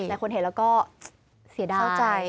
แล้วคนเห็นแล้วก็เสียดาย